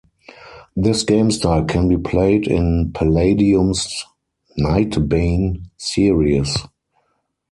This game style can be played in Palladium's "Nightbane" series.